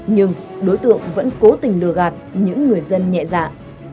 nhưng đối tượng vẫn cố tình lừa gạt những người dân nhẹ dạ